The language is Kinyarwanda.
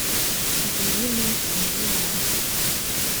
ngiyi iminsi mibi iraje